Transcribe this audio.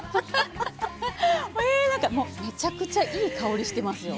めちゃくちゃいい香りしてますよ。